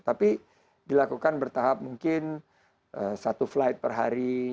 tapi dilakukan bertahap mungkin satu flight per hari